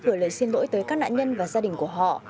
gửi lời xin lỗi tới các nạn nhân và gia đình của họ